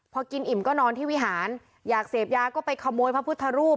พอกินอิ่มก็นอนที่วิหารอยากเสพยาก็ไปขโมยพระพุทธรูป